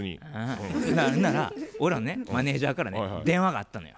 ほんなら俺らのマネージャーからね電話があったのよ。